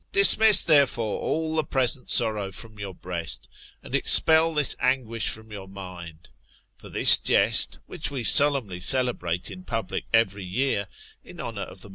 Dismiss, therefore, all the present sorrow from your breast, and expel this anguish from your mind. For this jest, which we solemnly celebrate in public every year, in honour of the most pleasant God of 3 A#.